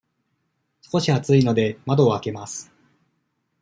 少し暑いので、窓を開けます。